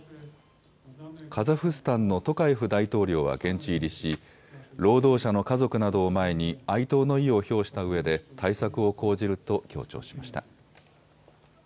カザフスタンのトカエフ大統領は現地入りし労働者の家族などを前に哀悼の意を表したうえで対策を講じると強調しました。